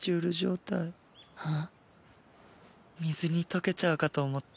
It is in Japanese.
水に溶けちゃうかと思った。